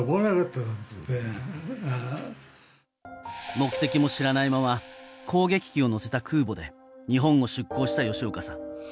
目的も知らないまま攻撃機を載せた空母で日本を出航した吉岡さん。